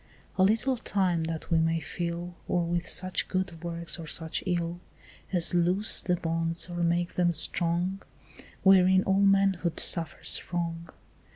A little time that we may fill Or with such good works or such ill As loose the bonds or make them strong Wherein all manhood suffers wrong.